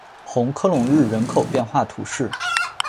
红科隆日人口变化图示